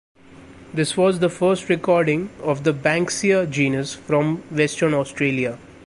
This was the first recording of the "Banksia" genus from Western Australia.